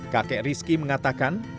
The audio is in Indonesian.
kakek rizki mengatakan